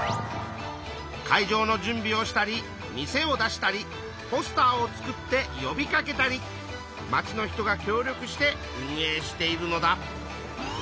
会場の準備をしたり店を出したりポスターを作ってよびかけたりまちの人が協力して運営しているのだ。